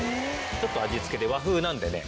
ちょっと味付けで和風なんでね。